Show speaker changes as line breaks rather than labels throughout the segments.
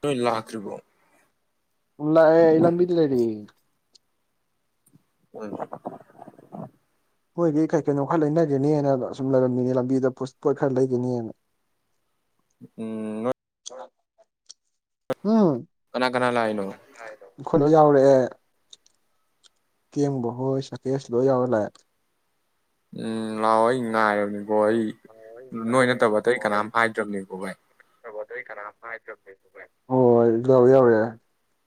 ꯅꯣꯏ ꯂꯥꯈ ꯔꯔꯤꯕꯣ
ꯎꯂ ꯏ ꯂꯝꯕꯗꯗꯔꯤ
ꯎꯝ
ꯍꯣꯏꯗꯤ ꯀꯩ ꯀꯩꯅꯣ ꯈꯔ ꯂꯩꯅꯒꯦꯅꯦꯅ ꯑꯁꯨꯝ ꯂꯩꯔꯝꯃꯤꯅꯦ ꯂꯝꯕꯤꯗ ꯄꯣꯠ ꯈꯔ ꯂꯩꯒꯅꯤꯅ
ꯎꯝ
ꯑ
ꯀꯅꯥ ꯀꯅꯥ ꯂꯑꯅꯣ
ꯑꯩꯈꯣꯏꯂꯣ ꯌꯥꯎꯔꯛꯑꯦ ꯀꯦꯝꯕꯍꯣꯏ ꯁꯀꯦꯁ ꯂꯣꯏ ꯌꯥꯎꯔ ꯂꯥꯛꯑꯦ
ꯎꯝ ꯂꯥꯎ ꯍꯥꯢ ꯅꯥꯏꯔꯕꯅꯤꯀꯣ ꯑꯩ ꯅꯣꯏ ꯅꯠꯇꯕ ꯑꯇꯩ ꯑꯩ ꯀꯅꯥꯝ ꯍꯥꯏꯗ꯭ꯔꯕꯅꯤꯀꯣ ꯚꯥꯏ
ꯍꯣꯏ ꯌꯥꯎꯔꯦ ꯌꯥꯎꯔꯦ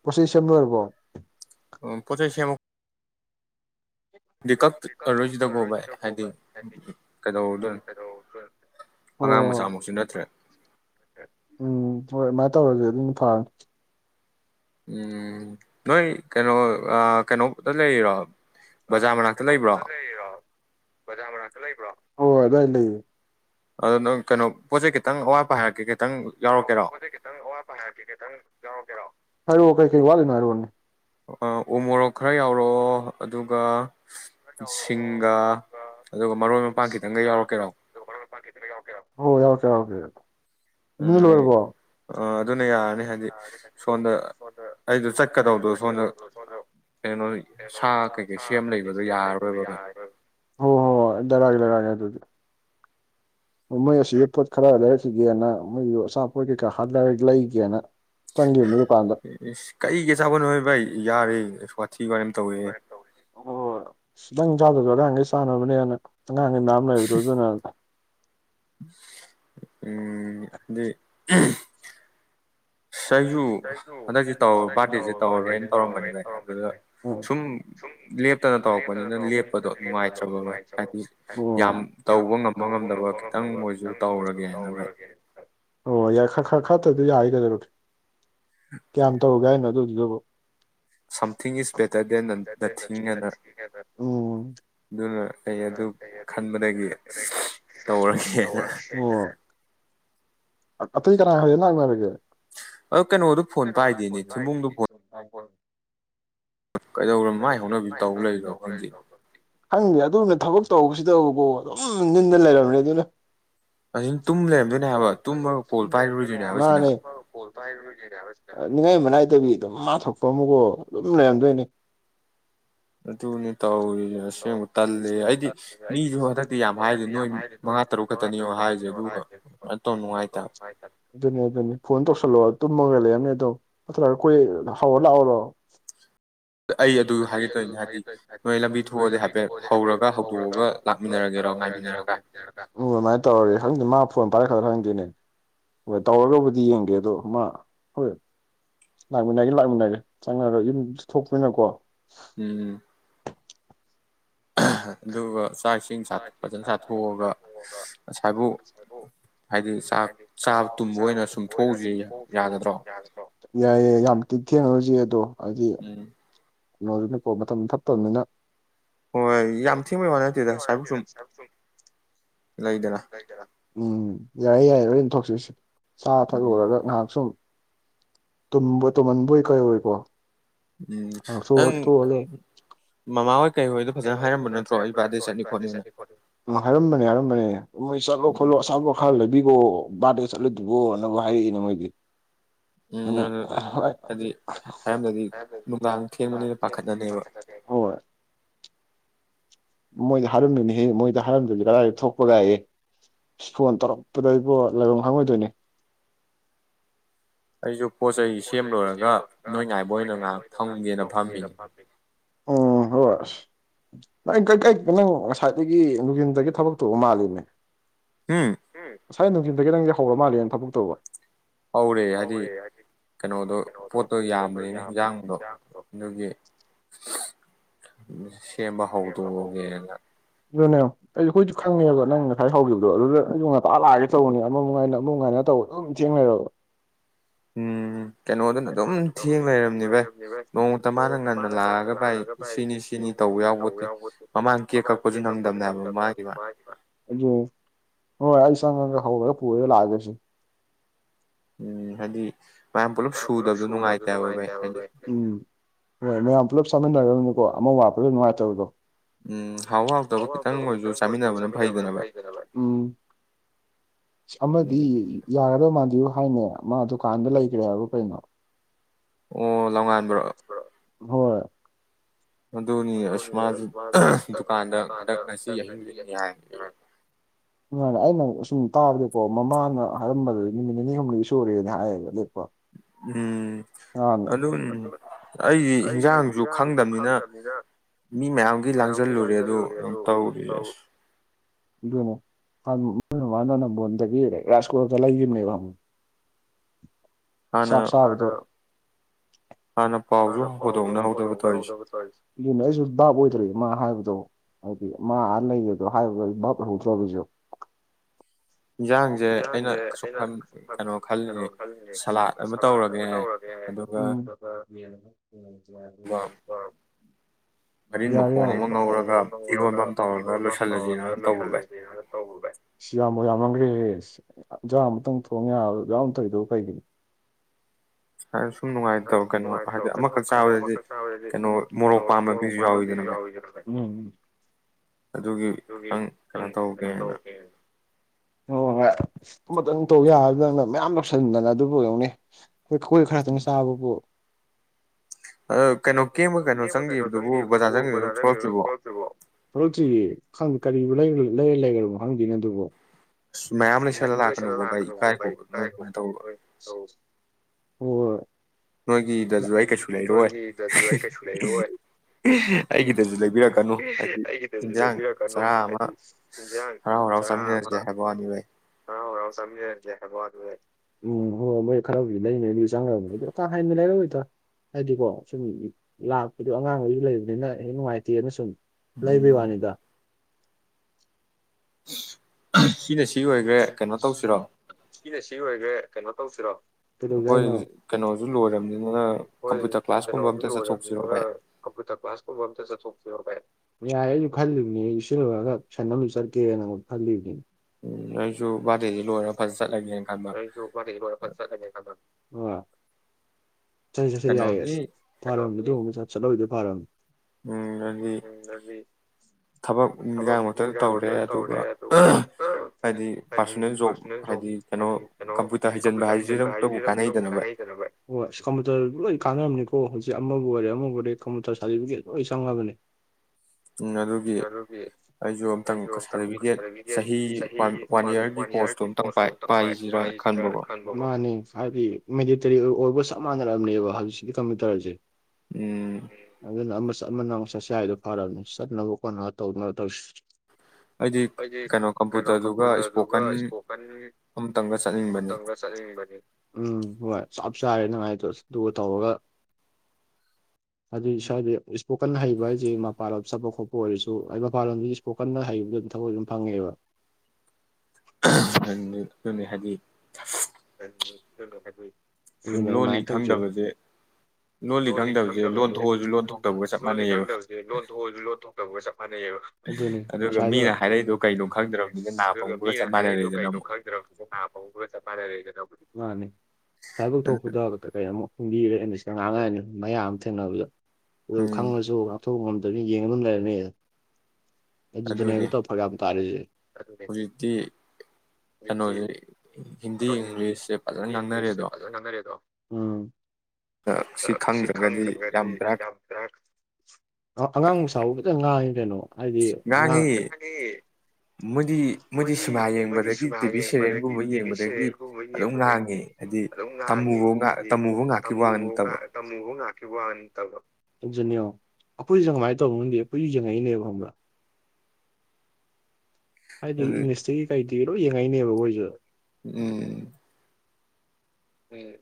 ꯄꯣꯠꯆꯩ ꯁꯦꯝ ꯂꯣꯏꯔꯕꯣ
ꯎ ꯄꯣꯠ ꯆꯩ ꯁꯦꯝꯃ ꯗꯤ ꯀꯛꯑꯔꯣꯏꯁꯤꯗ ꯚꯥꯏ ꯍꯥꯏꯗꯤ ꯀꯩꯗꯧꯔꯨꯗꯣꯏꯅꯣ ꯑꯉꯥꯡ ꯃꯆꯥꯃꯛꯁꯨ ꯅꯠꯇ꯭ꯔꯦ
ꯇꯧꯔꯁꯦ ꯑꯗ ꯐꯅꯤ
ꯎꯝ ꯅꯣꯏ ꯀꯩꯅꯣ ꯀꯩꯅꯣꯗ ꯂꯩꯔꯤꯔꯣ ꯕꯖꯥꯔ ꯃꯅꯥꯛꯇ ꯂꯩꯕ꯭ꯔꯣ
ꯍꯣꯍꯣ ꯑꯗ꯭ꯋꯥꯏ ꯂꯩꯌꯦ
ꯑꯗꯨ ꯅꯪ ꯀꯩꯅꯣ ꯄꯣꯠ ꯆꯩ ꯈꯤꯇꯪ ꯑꯋꯥꯠꯄꯥ ꯍꯥꯏꯔꯛꯀꯦ
ꯄꯣꯠꯆꯩ ꯈꯤꯇꯪ ꯑꯋꯥꯠ ꯄꯥ ꯍꯥꯏꯔꯛꯀꯦ ꯈꯤꯇꯪ ꯌꯥꯎꯔꯛꯀꯦꯔꯣ ꯍꯥꯏꯔꯣ ꯀꯩ ꯀꯩ ꯋꯥꯠꯂꯤꯅꯣ ꯍꯥꯏꯔꯣꯅꯦ
ꯑ ꯎ ꯃꯣꯔꯣꯛ ꯈꯔ ꯌꯥꯎꯔꯛꯑꯣ ꯑꯗꯨꯒ ꯁꯤꯡꯒ ꯑꯗꯨꯒ ꯃꯔꯣꯏ ꯃꯄꯥꯡ ꯈꯤꯇꯪꯒ ꯌꯥꯎꯔꯛꯀꯦꯔꯣ
ꯄꯥꯡ ꯈꯤꯇꯪꯒ ꯌꯥꯎꯔꯛꯀꯦꯔꯣ ꯑꯧ ꯌꯥꯎꯔꯛꯀꯦ ꯌꯥꯎꯔꯛꯀꯦ ꯅꯣꯢ ꯂꯣꯏꯔꯕꯣ
ꯑꯗꯨꯅꯌꯥ
ꯍꯣ ꯍꯣ ꯂꯩꯔꯛꯑꯒꯦ ꯂꯩꯔꯛꯑꯒꯦ ꯑꯗꯨ ꯃꯣꯏ ꯑꯁꯤ ꯄꯣꯠ ꯈꯔ ꯂꯩꯔꯛꯈꯤꯒꯦꯅ ꯃꯣꯏꯁꯨ ꯑꯆꯥꯄꯣꯠ ꯀꯩꯀꯥ ꯂꯩꯒꯦꯅ
ꯀꯩꯒꯤ ꯑꯆꯥꯄꯣꯠꯅꯣ ꯍꯏ ꯚꯥꯏ ꯌꯥꯔꯦ ꯋꯥꯊꯤ ꯊꯤ ꯋꯥꯔꯦꯝ ꯇꯧꯋꯤꯍꯦ
ꯅꯪ ꯆꯥꯗꯖꯨ ꯑꯉꯥꯡꯒꯩ ꯆꯥꯟꯅꯕꯅꯦꯅ ꯑꯉꯡꯒꯩ ꯃꯌꯥꯝ ꯂꯩꯕꯗꯣ ꯑꯗꯨꯅ
ꯎ ꯎꯡ ꯗꯤ ꯎꯪꯈ
ꯑꯩꯁꯨ ꯄ ꯇꯧꯔꯅ ꯇꯧꯔꯝꯕꯅꯤ ꯁꯨꯝ ꯇꯧꯔꯄ ꯅꯨꯡꯉꯥꯏꯖꯕ ꯌꯥꯝ ꯍ ꯍꯣꯡꯅꯕ ꯉꯝꯗꯕ ꯈꯤꯇꯪꯁꯨ ꯇꯧꯔꯒꯦꯅ ꯑꯣ ꯌꯥꯏ ꯈꯔ ꯈꯔ ꯈꯔꯇꯧꯋꯤꯗꯨ ꯌꯥꯔꯦ ꯀꯩꯗꯧꯔꯒꯦ ꯀꯌꯥꯝ ꯇꯧꯔꯨꯒꯦ ꯍꯥꯢꯅꯣ ꯑꯗꯨꯢꯗꯨꯗꯕꯨ
something is better than nothing ꯑꯅ ꯑꯗꯨꯅ ꯑꯩ ꯑꯗꯨ ꯈꯟꯕꯗꯒꯤ ꯇꯧꯔꯒꯦꯅ
ꯑꯇꯩ ꯀꯅꯥꯥ ꯍꯌꯦ ꯂꯥꯛꯅꯔꯒꯦ
ꯑꯗꯣ ꯀꯩꯅꯣꯗꯨ ꯐꯣꯟ ꯄꯥꯏꯗꯦꯅꯦ ꯊꯤꯃꯨꯡꯗꯨ ꯐꯣꯟ ꯀꯩꯗꯧꯔꯣ ꯃꯥꯏ ꯍꯧꯅꯕꯤ ꯇꯧ ꯂꯩꯔ꯭ꯔꯣ ꯈꯪꯗꯦ
ꯍꯪꯗꯦ ꯑꯗꯨꯅ ꯊꯕꯛ ꯇꯧꯕꯁꯤꯗꯕꯨꯀꯣ ꯑꯗꯨꯝ ꯟꯗ ꯂꯩꯔꯕꯅꯤ ꯑꯗꯨꯅ ꯃꯥꯅꯦ ꯅꯤꯡꯉꯥꯏ ꯃꯅꯥꯏꯗꯕꯤ ꯑꯗꯨꯝ ꯃꯥ ꯊꯣꯛꯄ ꯑꯃꯨꯀꯣ ꯑꯗꯨꯝ ꯂꯩꯔꯝꯗꯣꯏꯅꯦ
ꯑꯗꯨꯅꯦ ꯇꯧꯔꯤꯁ ꯑꯁꯦꯡꯕ ꯇꯜꯂꯦ ꯑꯩꯗꯤ ꯃꯤꯁꯨ ꯍꯟꯗꯛꯇꯤ ꯌꯥꯝ ꯍꯥꯏꯗꯦ ꯅꯣꯏ ꯃꯉꯥ ꯇꯔꯨꯛ ꯈꯛꯇꯅꯤꯣ ꯍꯥꯏꯁꯦ ꯑꯗꯨꯒ ꯌꯥꯝꯇꯧ ꯅꯨꯡꯉꯥꯏꯇꯕ
ꯂꯣ ꯇꯨꯝꯃꯒ ꯂꯩꯔꯝꯅꯦ ꯑꯗꯨꯣ ꯐꯠꯇ꯭ꯔ ꯑꯩꯈꯣꯏ ꯍꯥꯎꯔ ꯂꯥꯛꯑꯣꯔꯣ ꯍꯌꯦꯡꯒꯪ ꯇꯔꯦ ꯈꯔ ꯈꯪꯗꯦꯅꯦ ꯍꯣꯏ ꯇꯧꯔꯒꯕꯨꯗꯤ ꯌꯦꯡꯒꯦ ꯑꯗꯣ ꯃꯥ ꯍꯣꯏ ꯂꯥꯛꯃꯤꯟꯅꯒꯦ ꯂꯥꯛꯃꯤꯟꯅꯒꯦ ꯆꯪꯉꯒ ꯌꯨꯝ ꯁꯣꯏꯅꯀꯣ
ꯑꯗꯨꯒ
ꯆꯦ ꯈꯥ ꯇꯥꯔꯒꯗꯣꯛꯑꯒ ꯍꯥꯏꯗꯤ ꯆ ꯆꯥꯃꯛꯇ ꯁꯣꯏꯔꯁꯨꯍꯣꯛꯇ꯭ꯔꯤ ꯍꯥꯏꯗ ꯃꯖꯥꯇꯣ ꯌꯥꯏ ꯌꯥꯏ ꯌꯥꯝ ꯇꯤꯛ ꯊꯦꯡꯅꯔꯁꯤ ꯑꯗꯣ ꯑꯗꯨꯗꯤ ꯀꯩꯅꯣꯅꯤꯀꯣ ꯃꯇꯝ ꯐꯠꯇꯕꯅꯤꯅ
ꯍꯣꯏ ꯌꯥꯝ ꯊꯤꯕꯩ ꯋꯥꯅꯠꯇꯦꯗ
ꯎꯝ ꯌꯥꯔꯦ ꯌꯥꯏꯌꯦ ꯂꯣꯏꯅ ꯊꯣꯛꯆꯣꯏꯔꯤꯁꯤꯗꯤ ꯆꯥ ꯊꯛꯂꯨꯔꯒ ꯉꯥꯏꯍꯥꯛ ꯁꯨꯝ ꯇꯨꯝꯍꯟꯕꯣꯏ ꯀꯩ ꯑꯣꯏꯏꯀꯣ
ꯎꯝ ꯅꯪ ꯃꯃꯥ ꯍꯣꯏ ꯀꯩ ꯍꯣꯏꯗꯣ ꯐꯖꯅ ꯍꯥꯏꯔꯝꯕ ꯅꯠꯇ꯭ꯔꯣ ꯑꯩ ꯏꯄꯥꯕꯥꯗꯤ ꯆꯠꯅꯤꯡ
ꯎ ꯍꯥꯏꯔꯝꯕꯅꯦ ꯍꯥꯏꯔꯝꯕꯅꯦ ꯃꯣꯏ ꯆꯠꯂꯣ ꯈꯣꯠꯂꯣ ꯑꯆꯥꯥꯄꯣ ꯈꯔ ꯂꯩꯕꯤ ꯑꯣ ꯕꯥꯥꯔꯗꯒ ꯆꯠꯂꯨꯗ꯭ꯔꯤꯕꯣꯅꯕꯨ ꯍꯥꯏꯔꯛꯏꯅꯦ ꯃꯣꯏꯗꯤ ꯍ ꯃꯣꯏꯗ ꯍꯥꯏꯔꯝꯗꯣꯏꯅꯤ ꯍꯦ ꯃꯣꯏꯗ ꯍꯥꯏꯔꯝꯗꯣꯏꯗꯤ ꯀꯗꯥꯏꯗ ꯊꯣꯛꯄ ꯂꯑꯦ ꯐꯣꯟ ꯇꯧꯔꯛꯄꯗꯩꯕꯣ ꯂꯩꯐꯝ ꯍꯪꯉꯣꯏꯗꯣꯏꯅꯦ
ꯑꯩꯁꯨ ꯄꯣꯠ ꯆꯩ ꯁꯦꯝꯂꯣꯏꯔꯒ ꯅꯣꯏ ꯉꯥꯏꯕ ꯑꯣꯏꯅ ꯉꯥꯏꯍꯥꯛ ꯐꯪꯒꯦꯅ ꯐꯝꯃꯤꯅꯦ
ꯎꯝ ꯍꯣꯏ ꯑꯁ ꯅꯪ ꯀꯩꯀꯩ ꯅꯪ ꯉꯁꯥꯏꯗꯒꯤ ꯅꯨꯡꯊꯤꯟꯗꯒꯤ ꯊꯕꯛ ꯇꯧꯕ ꯃꯥꯜꯂꯤꯕꯅꯦ
ꯎꯝ
ꯉꯁꯥꯏ ꯅꯨꯡꯊꯤꯟꯗ ꯈꯤꯇꯪꯗꯤ ꯍꯧꯔ ꯃꯥꯜꯂꯦꯅ ꯊꯕꯛ ꯇꯧꯕ
ꯍꯧꯧꯔꯦ ꯍꯥꯏꯗꯤ ꯀꯩꯅꯣꯗꯣ ꯄꯣꯠꯇꯣ ꯌꯥꯝꯕꯅꯤꯅ ꯍꯤꯟꯖꯥꯡꯗꯣ ꯑꯗꯨꯒꯤ ꯎꯝ
ꯍ ꯌꯅꯦꯣ ꯑꯩꯁꯨ ꯑꯩꯈꯣꯏꯁꯨ ꯈꯪꯉꯦꯕ ꯅꯪ ꯉꯁꯥꯏ ꯍꯧꯈꯤꯕꯗꯣ ꯑꯗꯨꯗ ꯑꯩꯁꯨ ꯉꯄꯥ ꯂꯥꯛꯑꯒꯦ ꯇꯧꯕꯅꯦ ꯑꯃꯃ ꯉꯥꯏꯅ ꯑꯃ ꯉꯥꯏꯅ ꯇꯧꯕ ꯑꯗꯨꯝ ꯊꯦꯡꯅꯔꯕ
ꯎꯝ
ꯀꯩꯅꯣꯗꯨꯅ ꯑꯗꯨꯝ ꯊꯦꯡ ꯂꯩꯔꯝꯅꯤ ꯚꯥꯏ ꯅꯣꯡꯃꯇ ꯃꯥꯅ ꯉꯟꯅ ꯂꯥꯛꯑꯒ ꯚꯥꯏ [unintelligible] ꯇꯧꯕ ꯌꯥꯎꯕꯣꯠꯇꯦ ꯃꯃꯥꯡ ꯀꯦꯛ ꯀꯛꯄꯁꯨ ꯅꯪꯗꯝꯅꯦ ꯍꯥꯏꯕ ꯃꯥꯒꯤ ꯃꯥ ꯑꫭ ꯍꯣꯏ ꯑꯩ ꯆꯪꯉꯒ ꯍꯧꯔꯒ ꯄꯨꯔꯒ ꯂꯥꯛꯑꯒꯦꯁꯤ
ꯎꯝ ꯍꯥꯏꯗꯤ ꯃꯌꯥꯝ ꯄꯨꯂꯞ ꯁꯨꯗꯕꯗꯣ ꯅꯨꯡꯉꯥꯏꯇꯦꯕ ꯚ ꯍꯥꯏꯗꯤ
ꯍꯣꯏ ꯃꯌꯥꯝ ꯄꯨꯂꯞ ꯆꯥꯃꯤꯟꯅꯔꯒꯅꯦꯀꯣ ꯑꯃ ꯋꯥꯠꯄꯗꯨ ꯍꯦꯛ ꯅꯨꯡꯉꯥꯏꯇꯕꯗꯣ ꯍꯥꯎꯕ ꯍꯥꯎꯇꯕ ꯈꯤꯇꯪ ꯑꫭꯔꯁꯨ ꯆꯥꯃꯤꯟꯅꯕꯅ ꯐꯩꯗꯅꯕ ꯎꯝ ꯑꯃꯗꯤ ꯌꯥ ꯃꯗꯤꯌꯨ ꯍꯥꯏꯅꯦ ꯃꯥ ꯗꯨꯀꯥꯟꯗ ꯂꯩ ꯒꯦ ꯍꯥꯏꯕꯔ ꯀꯩꯅꯣ
ꯑꯣ ꯂꯝꯉꯥꯟꯕ ꯔꫭ
ꯍꯣꯏ
ꯑꯗꯨꯅꯤ ꯑꯁ ꯃꯥꯁꯨ ꯗꯨꯀꯥꯟꯗ ꯍꯟꯗꯛ ꯉꯁꯤ ꯑꯍꯤꯡ ꯂꯤꯛꯅꯤ ꯍꯥꯏꯕꯅꯤ
ꯅꯍꯥꯟ ꯑꯩꯅ ꯑ ꯁꯨꯝ ꯇꯥꯕꯗꯀꯣ ꯃꯃꯥꯅ ꯍꯥꯏꯔꯝꯕꯗ ꯅꯨꯃꯤꯠ ꯅꯤꯅꯤ ꯍꯨꯝꯅꯤꯗꯤ ꯁꯨꯔꯦꯅ ꯍꯥꯏꯌꯦꯕ ꯂꯦꯛꯄ
ꯎꯝ ꯑꯗꯨꯟ ꯑꯩꯗꯤ ꯍꯤꯟꯖꯥꯡꯁꯨ ꯈꯪꯗꯕꯅꯤꯅ ꯃꯤ ꯃꯌꯥꯝꯒꯤ ꯂꯥꯡꯁꯤꯜꯂꯨꯔꯦ ꯑꯗꯨ ꯗꯨꯝ ꯇꯧꯔꯤꯁꯦ ꯑꯁ
ꯑꯗꯨꯅꯤ ꯑꯝ ꯃꫭꯏ ꯃꯃꯥꯅ ꯅꯝꯕꯣꯟꯗꯒꯤ ꯔꯥꯥꯁ ꯀꯨꯀꯔꯒ ꯂꯩꯒꯤꯕꯅꯦꯕ ꯍ ꯁꯥꯛ ꯁꯥꯥꯕꯗ ꯍꯥꯟꯅ ꯄꯥꯎꯗꯨ ꯍꫭꯗꫭꯛꯅ ꯍꯧꯗꯕ ꯇꫭꯏꯖꯦ ꯑꯗꯨꯅꯦ ꯑꯩꯁꯨ ꯚꯥꯞ ꯑꯣꯏꯗ꯭ꯔ ꯃꯥ ꯍꯥꯏꯕ ꯗꫭ ꯍꯥꯏꯗꯤ ꯃꯥ ꯑꯥ ꯂꯩꯌꯦꯗꯣ ꯍꯥꯏꯕꯗ ꯑꯩ ꯚꯥꯞ ꯑꫭꯏꯍꯧ ꯗ꯭ꯔꯕ ꯑꯩꯁꯨ
ꯏꯟꯁꯥꯡꯁꯦ ꯑꯩꯅ ꯁꯨꯛ [inaudible] ꯀꯩꯅꯣ [inaudible]
ꯀꯩꯅꫭ ꯈꯜꯂꯤꯅꯦ ꯁꯂꯥꯗ ꯑꯃ ꯇꯧꯔꯒꯦ ꯎꯝ ꯑꯗꯨꯒ ꯌꯦ [unintelligible] [inaudible] [unintelligible] ꯌꯥꯔꯦ ꯌꯥꯔꯦ [inaudible] ꯑꯝ ꯉꯧꯔꯒ ꯏꯔꫭꯟꯕꯃ ꯇꯧꯔꯒ ꯂꯣꯏꯁꯜꯂꯖꯦꯅ ꯇꯧꯕ ꯚꯥꯏ ꯁꯤ ꯌꯥꯝꯕꯨ ꯌꯥꯝꯃꯝꯒ꯭ꯔꯦꯍꯦ ꯏꯟꯖꯥꯡ ꯑꯃꯇꯪ ꯊꯣꯡ ꯌꯥꯕ ꯌꯥꯝ ꯇꯧꯔꯤꯗꯣ ꯀꯩꯒꯤꯅꫭ ꯑꯗꯨꯗꯤ ꯅꯨꯡꯉꯥꯏꯇꯕ ꯀꯩꯅꯣ ꯍꯥꯏꯗꯤ ꯑꯃꯈꯛ ꯆꯥꯕꯗꯤ ꯃꫭꯔꯣꯛ ꯄꯥꯝꯕ ꯃꯤꯁꯨ ꯌꯥꯎꯋꯁꯤꯅ ꯎꯝ ꯎꯝ ꯑꯗꯨꯒꯤ ꯈꯤꯇꯪ ꯀꯩꯅꯣ ꯇꯧꯒꯦ ꯍꯣ ꯍꫭ ꯍꯣꯏ ꯑꯃꯇꯪ ꯇꯧ ꯌꯥꯕꯗꯨꯗ ꯅꯪꯅ ꯃꯌꯥꯝ ꯇꯧꯁꯤꯟꯗꯅ ꯑꯗꯨꯕꯨ ꯌꯦꯉꯨꯅꯦ ꯈꫭꯏ ꯈꯔ ꯇꯅꯤ ꯍꫭ ꯀꯦꯕ ꯀꯩꯅꯣ ꯆꯪꯒꯤꯕꯗꯨꯕꯨ ꯕꯖꯥꯔ ꯆꯪꯒꯤꯕꯗꯨꯕꯨ ꯊꫭꯔꯛꯇ꯭ꯔꯤꯕꫭ ꯊꫭꯔꯛꯇ꯭ꯔꯤꯌꯦ ꯈꯪ ꯀꯔꯤꯕꯨ ꯂꯩ ꯂꯩꯔ ꯂꯩꯈ꯭ꯔꯕꯣ ꯈꯪꯗꯦꯅꯦ ꯑꯗꯨꯕꫭ ꯅꯪꯅꯕ ꯂꯩꯁꯜꯂ ꯂꯥꯛꯀꯅꫭꯌꯨ ꯚꯥꯏ ꯇ ꯍꯥꯏꯘꫭ [unintelligible] ꯍꫭꯏ ꯎ ꯅꯣꯏꯒꯤꯗꯁꯨ ꯑꯩ ꯀꯩꯁꯨ ꯂꯩꯔꯣꯏ ꯑꯩꯒꯤꯗꯁꯨ ꯂꯩꯕꯤꯔꯛꯀꯅꯨ ꯍꯥꯏꯗꯤ ꯅꯨꯨꯝꯖꯡ ꯄꯨꯡ ꯇꯔꯥ ꯑꯃ ꯍꯔꯥꯎ ꯍꯔꯥꯎ ꯆꯥꯃꯤꯔꯒꯦ ꯍꯥꯏꯕ ꯋꯥ ꯍ ꯎꯝ ꯍꯣꯏ ꯍ ꯃꯣꯏ ꯈꯔꯕꯨ ꯂꯩꯅꯦ ꯅ ꯆꯪꯅꯔꯕ ꯅꯗ꯭ꯔꯣ ꯀꯥ ꯍꯦꯟꯅ ꯂꯩꯔꯋꯣꯏꯗ ꯍꯥꯏꯗꯤꯀꯣ ꯁꯨꯝ ꯂꯥꯛꯄꯗꯣ ꯑꯉꯥꯡꯈꯩꯁꯨ ꯂꯩꯕꯅꯤꯅ ꯍꯦꯛ ꯅꯨꯡꯉꯥꯏꯇꯦꯅ ꯁꯨꯝ ꯂꯩꯕꯤ ꯋꯥꯅꯤꯗ ꯁꯤꯅꯦ ꯁꯤ ꯑꯣꯏꯈ꯭ꯔꯦ ꯀꯩꯅꯣ ꯀꯧꯁꯤꯔꯣ ꯍꯥꯏꯣ ꯎ ꯍꯣꯏ ꯀꯩꯅꯣꯁꯨ ꯂꯣꯏꯔꯕꯅꯤꯅ ꯀꯝꯄꯌꯨꯇꯔ ꯀ꯭ꯂꯥꯁꯀꯨꯝꯕ ꯑꯝꯇ ꯆꯠꯊꯣꯛ ꯌꯥꯏꯌꯦ ꯑꯩꯁꯨ ꯈꯜꯂꯤꯕꯅꯦ ꯏꯁꯤꯜꯂꯣꯏꯨꯔꯒ ꯁꯟꯅ ꯂꯣꯏ ꯆꯠꯀꯦꯅ ꯅꯪꯉꯣꯟ ꯈꯜꯂꯤꯕꯤ
ꯑꯩ
ꯐꯗ ꯆ ꯆꯠꯁ ꯌꯥꯏꯌꯦꯁ ꯐꯔꯝꯗ ꯑꯃꯨꯛ ꯆꯠ ꯆꯠꯂꯗ ꯄꯔꯝ ꯎꯗꯤ ꯊꯕꯛ ꯀꯕꯛꯇ ꯇꯧꯔꯦ ꯑꯗꯨꯒ ꯍꯥꯏ ꯂꯣꯏ ꯀꯥꯟꯅꯔꯔꯕꯅꯤꯀꯣ ꯍꯧꯖꯤꯛ ꯑꯃꯕꯨ ꯑꯣꯏꯔꯦ ꯑꯃꯕꯨ ꯑꯣꯏꯔꯦ ꯀꯝꯄꯨꯇꯔ ꯁꯥꯔꯇꯤꯐꯤꯀꯦꯠ ꯂꯣꯏ ꯆꯪꯉꯕꯅꯤ
ꯎꯝ ꯑꯗꯨꯒꯤ ꯑꯩꯁꯨ ꯑꯝꯇꯪ ꯁꯥꯔꯇꯤꯐꯤꯀꯦꯠ ꯆꯍꯤ
ꯃꯥꯒꯤ ꯋꯥꯟ ꯏꯌꯥꯔꯒꯤ ꯀꯣꯔꯁꯣꯝꯇꯪ ꯄ ꯍꯥꯏꯁꯤꯅꯅ ꯈꯟꯕ ꯍꯥꯏꯕꯗꯤ ꯃꯦꯗꯤꯇꯔꯤ ꯑꯣꯏꯕ ꯆꯞ ꯃꯥꯟꯅꯔꯝꯅꯦꯕ ꯍꯧꯖꯤꯛꯀꯤ ꯀꯝꯄ꯭ꯌꯨꯇꯔꯁꯦ ꯑꯗꯨꯝꯕ ꯆꯞ ꯃꯅ ꯆꯠꯁꯦ ꯍꯥꯏꯗꯣ ꯐꯥꯔꯕꯅꯤ ꯆꯠꯅꯅꯕ ꯀꯣꯠꯅ ꯇꯧꯅ ꯇꯧꯁꯤ
ꯑꯩꯗꯤ ꯀꯩꯅꯣ ꯀꯝꯄꯌꯨꯇꯔꯗꯨ ꯑꯗꯨꯒ ꯏꯁꯄꯣꯀꯟ ꯑꯃꯇꯪꯒ ꯆꯠꯅꯤꯡꯕꯅꯤ
ꯍꯣꯏ ꯆꯞ ꯆꯥꯔꯦꯅꯉꯥꯏꯗ ꯑꯗꯨꯒ ꯇꯧꯔꯒ ꯑꯗꯨꯗꯤ ꯏꯁꯋꯥꯗꯤ ꯏꯁꯄꯣꯀꯟ ꯍꯩꯕ ꯍꯥꯏꯁꯦ ꯃꯄꯥꯟꯂꯣꯝ ꯆꯠꯄ ꯈꯣꯠꯄ ꯑꯣꯏꯔꯁꯨ ꯑꯩ ꯃꯄꯥꯟꯂꯣꯝꯗ ꯏꯁꯄꯣꯀꯟꯗ ꯍꯩꯕꯗ ꯑꯗꯨꯝ ꯊꯕꯛ ꯑꯗꯨꯝ ꯐꯪꯉꯦꯕ
ꯪ ꯍꯥꯏꯗꯤ
ꯊ ꯣ ꯈꯪꯗꯕꯁꯦꯑꯁꯨ ꯂꯣꯟ ꯊꯣꯛꯇꯕꯒ ꯆꯞ ꯐꯥꯅꯩꯌꯦꯕ ꯃꯤꯅ ꯍꯥꯏꯔꯩꯗꯣ ꯀꯩꯗꯣ ꯈꯪꯗ꯭ꯔ ꯦꯗꯤꯃꯅꯤ ꯊꯥꯏꯕꯛ ꯊꯣꯛꯄꯗꯛꯇ ꯀꯩꯨꯛ ꯈꯟꯕꯤꯔꯦ ꯑꯩꯅꯁ ꯑ ꯉꯥꯡꯉꯥꯏꯅꯤ ꯃꯌꯥꯝ ꯑꯃ ꯊꯦꯡꯅꯕꯗꯣ ꯑꯗꯨ ꯈꯪꯁꯨꯕ ꯊꯗꯅꯤ ꯌꯦꯡ ꯂꯩꯔꯅꯦ ꯑꯗꯨꯗꯨꯅꯦꯕꯛꯇ ꯐꯒ ꯌꯥꯝꯝ ꯇꯥꯦꯁꯦ [unintelligible]
ꯍꯧꯖꯤꯛꯇꯤ ꯀꯩꯅꯣꯁꯦ ꯍꯤꯟꯗꯤ ꯏꯪꯂꯤꯁꯁꯦ ꯐꯖꯅ ꯉꯥꯡꯅꯔꯦ ꯑꯗꯣ
ꯎꯝ
ꯁꯤ ꯈꯪꯗ꯭ꯔꯒꯗꯤ ꯌꯥꯝ ꯕ꯭ꯔꯥꯛ
ꯑꯉꯥꯡꯃꯨꯛ ꯁꯕ ꯈꯤꯇꯪ ꯉꯥꯏ ꯀꯩꯅꯣ ꯍꯥꯏꯗꯤ ꯃꯥꯅꯤ ꯃꯗꯤ ꯃꯗꯤ ꯁꯨꯃ ꯌꯦꯡꯕꯗꯤ ꯑꯗꯒꯤ ꯁꯦꯔꯦꯡꯒꯨꯝꯕ ꯌꯦꯡꯕꯗꯒꯤꯗꯤ ꯑꯗꯨꯝ ꯉꯥꯡꯉꯤ ꯍꯥꯏꯗꯤ ꯇꯃꯨ ꯇꯃꯨꯕꯥꯎ ꯉꯥꯛ ꯑꯗꯨꯣ ꯑꯩꯈꯣꯏꯁꯦ ꯀꯃꯥꯏꯅ ꯇꯧꯕꯅꯪꯗꯦ ꯑꯩꯈꯣꯏꯁꯨ ꯌꯦꯡꯉꯛꯏꯅꯦꯕ ꯈꯪꯕ꯭ꯔꯥ ꯍꯥꯏꯗꯤ ꯏ ꯃꯤꯁꯇꯒꯤ ꯀꯥꯏꯗꯤ ꯤꯔꯣꯏ ꯌꯦꯡꯉꯛꯅꯦꯕ ꯑꯩꯣꯏꯁꯤꯗ
ꯎꯝ
ꯎꯝ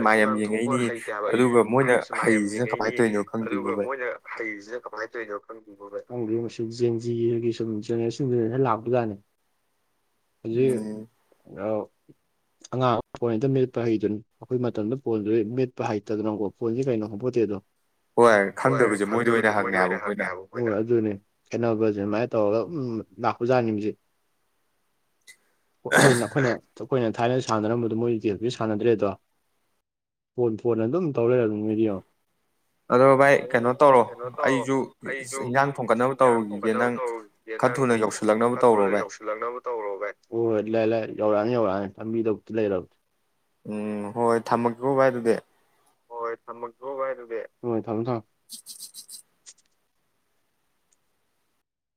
ꯑꯗꯨ ꯉꯥꯡꯊꯣꯛꯄ ꯍꯩꯇꯦꯕ ꯑꯩ ꯍꯥꯏꯔꯁꯨꯃ ꯌꯥꯝ ꯌꯦꯡꯉꯛꯏꯅꯦ ꯑꯗꯨꯒ ꯃꯣꯏꯅ ꯍꯩꯁꯤꯗ ꯅ ꯇꯧꯅꯣ ꯖꯦꯟ ꯖꯤꯒꯤ ꯁꯨꯝꯖꯅꯦꯗꯨ ꯍ ꯂꯥꯛꯄ ꯀꯅꯤ ꯖꯤ ꯑ ꯑꯉꯥꯡ ꯐꯣꯟ ꯑꯝꯇ ꯃꯦꯠꯄ ꯍꯩꯗꯨꯣꯏꯅꯤ ꯑꯩꯈꯣꯏ ꯃꯇꯝꯗ ꯐꯣꯟꯗꯨ ꯃꯦꯠꯄ ꯍꯩꯇꯗꯅꯣꯀꯣ ꯐꯣꯟꯗꯤꯦ ꯀꯩꯅꯣ ꯈꯐꯠꯇꯦ ꯑꯗꯣ ꯍ ꯍꯣꯏ ꯈꯪꯗꯕꯁꯦ ꯃꯣꯏꯗꯤ ꯑꯣꯏꯅ ꯍꯪꯉꯦ ꯍꯥꯏꯕ ꯑꯗꯨꯅꯤ ꯀꯦꯩꯅꯣꯅꯕꯁ ꯑꯗꯨꯃꯥꯏꯅ ꯇꯧꯔꯒ ꯎ ꯂꯥꯛꯄꯖꯥꯅꯤꯁꯦ ꯣꯏ ꯂꯈꯣꯏꯅꯦ ꯍꯣꯏ ꯊꯥꯏꯅ ꯁꯥꯟꯅꯔꯝꯕꯗꯣ ꯃꯣꯏꯗꯤ ꯇꯦꯄꯤ ꯁꯥꯟꯅꯗ꯭ꯔꯦ ꯑꯗꯣ ꯐꯣꯟ ꯐꯣꯟꯅ ꯑꯗꯨꯝ ꯇꯧꯔꯔ ꯑꯗꯨ ꯅꯣꯏꯗꯤꯡꯉ ꯀꯩꯅꯣ ꯇꯧꯔꯣ ꯑꯩꯁꯨ ꯏꯟꯥꯡ ꯈꯣꯒꯠꯅꯕ ꯇꯧꯔꯨꯁꯤꯗꯤ ꯅꯪ ꯊꯨꯅ ꯌꯧꯁꯤꯜꯂꯛꯅꯕ ꯇꯧꯔꯣ ꯚ ꯏ ꯌꯧꯔꯥꯡꯅꯤ ꯌꯧꯅꯤ ꯆꯕꯤꯗꯧꯛꯇꯤ ꯂꯩꯔꯕꯗꯤꯦ
ꯎꯝ ꯍꯣꯏ ꯊꯝꯃꯒꯦꯀꯣ ꯚꯥꯏ ꯑꯗꯨꯗꯤ
ꯍꯣꯏ ꯊꯝꯃꯛꯇꯣ ꯚꯥꯏ ꯑꯗꯨꯗꯤ ꯊꯝ ꯊ